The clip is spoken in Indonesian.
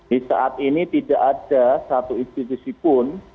di saat ini tidak ada satu institusi pun